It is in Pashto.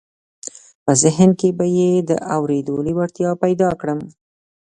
په ذهن کې به یې د اورېدو لېوالتیا پیدا کړم